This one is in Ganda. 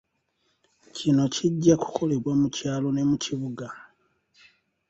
Kino kijja kukolebwa mu kyalo ne mu kibuga.